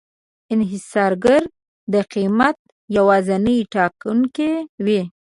انحصارګر د قیمت یوازینی ټاکونکی وي.